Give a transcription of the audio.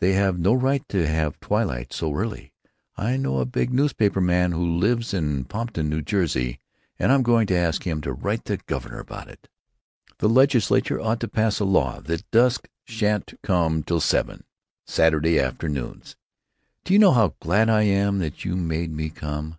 They have no right to have twilight so early. I know a big newspaper man who lives at Pompton, N. J., and I'm going to ask him to write to the governor about it. The legislature ought to pass a law that dusk sha'n't come till seven, Saturday afternoons. Do you know how glad I am that you made me come?...